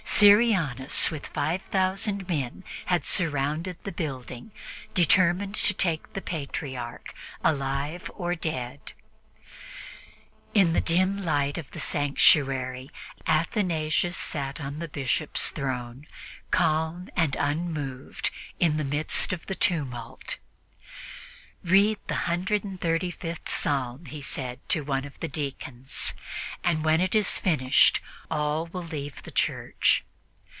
Syrianus with five thousand men had surrounded the building, determined to take the Patriarch, alive or dead. In the dim light of the sanctuary Athanasius sat on the Bishop's throne, calm and unmoved in the midst of the tumult. "Read the 135th Psalm," he said to one of the deacons, "and when it is finished, all will leave the church."